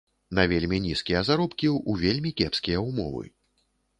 На вельмі нізкія заробкі, у вельмі кепскія ўмовы.